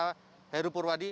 pak heru purwadi